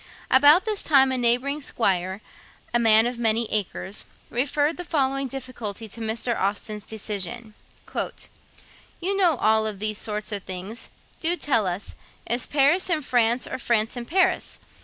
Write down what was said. About this time, a neighbouring squire, a man of many acres, referred the following difficulty to Mr. Austen's decision: 'You know all about these sort of things. Do tell us. Is Paris in France, or France in Paris?